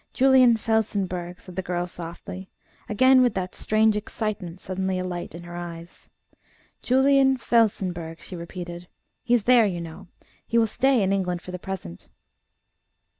Julian Felsenburgh," said the girl softly, again with that strange excitement suddenly alight in her eyes. "Julian Felsenburgh," she repeated. "He is there, you know. He will stay in England for the present."